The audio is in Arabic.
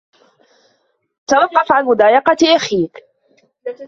توقف عن مضايقة أخيك!